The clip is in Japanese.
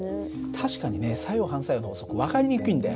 確かにね作用・反作用の法則分かりにくいんだよ。